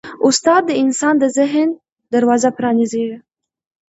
استاد د انسان د ذهن دروازه پرانیزي.